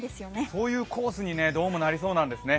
そういうコースにどうもなりそうなんですね。